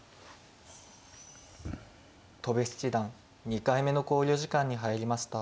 戸辺七段２回目の考慮時間に入りました。